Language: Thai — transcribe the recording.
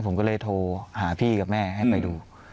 ผมก็เลยโทรหาพี่กับแม่ให้ไปดู